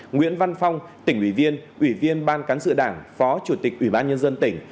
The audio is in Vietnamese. nguyễn văn phong tỉnh ủy viên ủy viên ban cán sự đảng phó chủ tịch ủy ban nhân dân tỉnh